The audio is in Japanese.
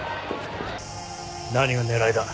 何が狙いだ